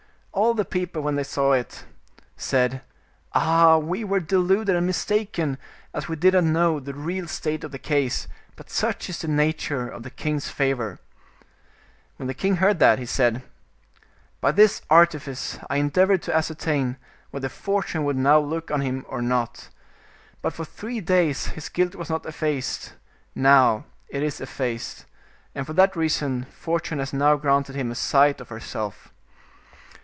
All the people, when they saw it, said, " Ah I we were deluded and mistaken, as we did not know the real state of the case, but such is the nature of the king's favor." When the king heard that, he said, " By this artifice I endeavored to ascertain, whether Fortune would now look on him or not. But for three days his guilt was not effaced; now it is effaced, and for that reason Fortune has now granted him a sight of herself."